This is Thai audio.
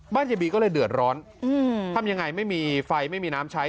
ยายบีก็เลยเดือดร้อนทำยังไงไม่มีไฟไม่มีน้ำใช้